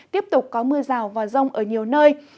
tiếp tục có mưa rào và rông ở nhiều nơi